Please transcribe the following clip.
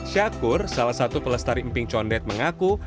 syakur salah satu pelestari emping condet mengaku